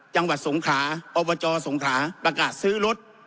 จังหวัดสงขาอบจสงขาประกาศซื้อรถ